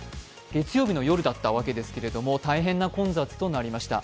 月曜日の夜だったわけですけれど、大変な混雑となりました。